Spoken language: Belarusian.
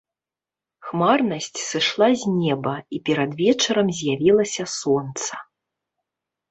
Хмарнасць сышла з неба, і перад вечарам з'явілася сонца.